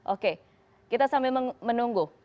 oke kita sambil menunggu